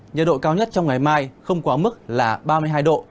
nhiệt độ cao nhất trong ngày mai không quá mức là ba mươi hai độ